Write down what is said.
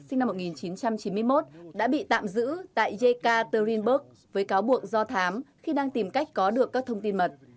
sinh năm một nghìn chín trăm chín mươi một đã bị tạm giữ tại jeca terinberg với cáo buộc do thám khi đang tìm cách có được các thông tin mật